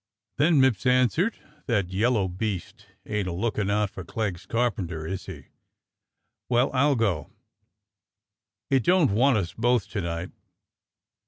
^ Then Mipps answered: "That yellow beast ain't a lookin' out for Clegg's 129 130 DOCTOR SYN carpenter, is he? Well, I'll go, it don't want us both to night."